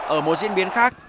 ở mối diễn biến khác